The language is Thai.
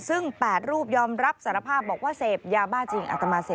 ซึ่ง๘รูปยอมรับสารภาพว่าเสพยาบ้าจริง